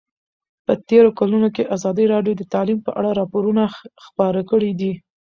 په تېرو کلونو کې ازادي راډیو د تعلیم په اړه راپورونه خپاره کړي دي.